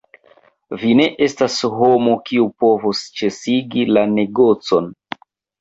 Vi ne estas homo, kiu povos ĉesigi la negocon!